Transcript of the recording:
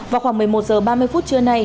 vào khoảng một mươi một h ba mươi phút trưa nay